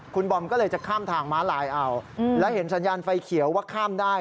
คุณบอมก็เลยจะข้ามทางม้าลายเอาและเห็นสัญญาณไฟเขียวว่าข้ามได้